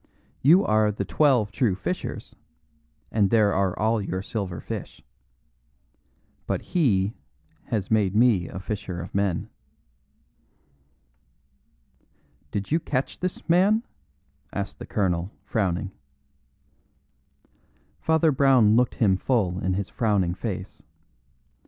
You are The Twelve True Fishers, and there are all your silver fish. But He has made me a fisher of men." "Did you catch this man?" asked the colonel, frowning. Father Brown looked him full in his frowning face.